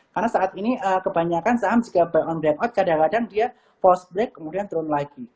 karena saat ini kebanyakan saham juga buy on breakout kadang kadang dia pause break kemudian turun lagi